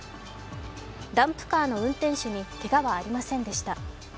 ダンプカーの運転手にけがはありませんでした。